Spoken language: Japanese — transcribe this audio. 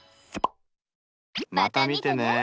また見てね！